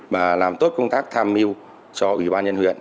và làm tốt công tác tham mưu cho ubnd huyện